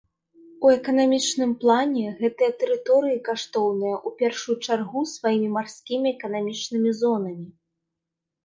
У эканамічным плане гэтыя тэрыторыі каштоўныя ў першую чаргу сваімі марскімі эканамічнымі зонамі.